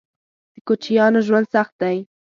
_د کوچيانو ژوند سخت دی.